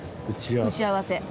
打ち合わせ。